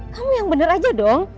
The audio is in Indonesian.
kamu yang bener aja dong